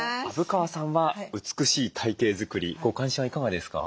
虻川さんは美しい体形作りご関心はいかがですか？